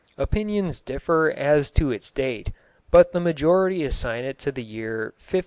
Opinions differ as to its date, but the majority assign it to the year 1528.